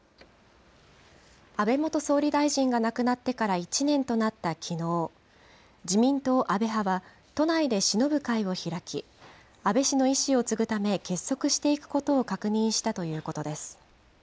安倍元総理大臣が亡くなってから１年となったきのう、自民党安倍派は、都内でしのぶ会を開き、安倍氏の遺志を継ぐため、結束していくことを確認したということです。